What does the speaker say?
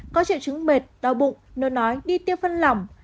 có triệu chứng mệt đau bụng nôn nói đi tiêu phân lỏng